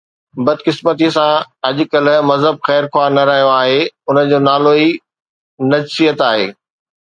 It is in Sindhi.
بدقسمتيءَ سان اڄ ڪلهه مذهب خيرخواهه نه رهيو آهي، ان جو نالو ئي نجسيت آهي.